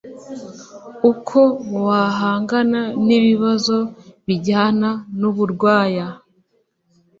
uko wahangana n’ibibazo bijyana n’uburwaya